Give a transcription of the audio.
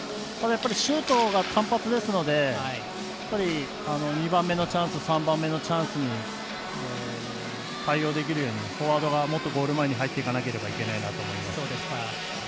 ただ、やっぱりシュートが単発ですので２番目のチャンス３番目のチャンスに対応できるようにフォワードがもっとゴール前に入っていかなきゃいけないなと思います。